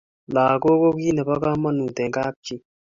langok ko kit nebo kamangut eng kap chi